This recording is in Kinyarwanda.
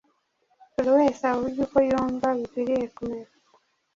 buri wese avuge uko yumva bikwiriye kumera.